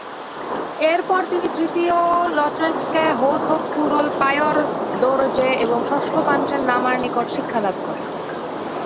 এরপর তিনি তৃতীয় ল্চাং-স্ক্যা হো-থোগ-থু রোল-পা'ই-র্দো-র্জে এবং ষষ্ঠ পাঞ্চেন লামার নিকট শিক্ষালাভ করেন।